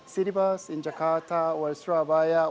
city bus di jakarta atau surabaya